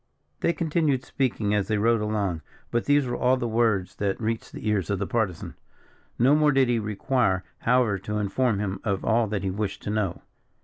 They continued speaking as they rode along; but these were all the words that reached the ears of the Partisan. No more did he require, however, to inform him of all that he wished to know.